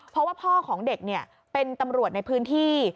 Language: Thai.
เพราะว่าพ่อของเด็กเป็นตำรวจในพื้นที่